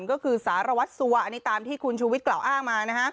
ก็คือสารวัตรสัวอันนี้ตามที่คุณชูวิทยกล่าวอ้างมานะฮะ